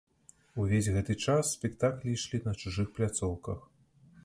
Увесь гэты час спектаклі ішлі на чужых пляцоўках.